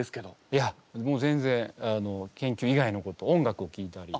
いやもう全然研究以外のこと音楽をきいたり。